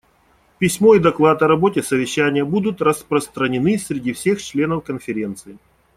Письмо и доклад о работе совещания будут распространены среди всех членов Конференции.